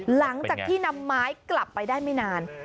หลังจากที่นำไม้กลับไปได้ไม่นาน